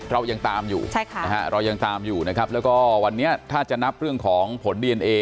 เรายังตามอยู่แล้วก็วันนี้ถ้าจะนับเรื่องของผลดีเอนเอ